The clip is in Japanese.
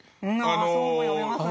あそうも読めますね。